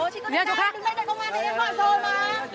chị ơi đứng đây em gọi rồi mà